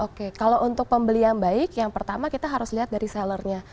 oke kalau untuk pembeli yang baik yang pertama kita harus lihat dari sellernya